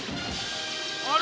あれ？